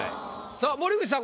さあ森口さん